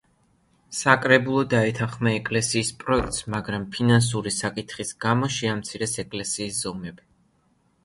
საკრებულო დაეთანხმა ეკლესიის პროექტს, მაგრამ ფინანსური საკითხის გამო შეამცირეს ეკლესიის ზომები.